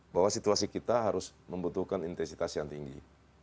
bahwa situasi kita harus membutuhkan intensitas yang tinggi